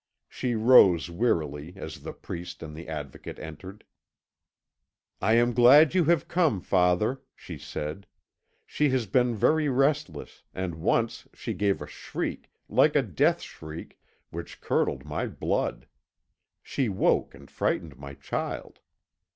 She rose wearily as the priest and the Advocate entered. "I am glad you have come, father," she said, "she has been very restless, and once she gave a shriek, like a death shriek, which curdled my blood. She woke and frightened my child."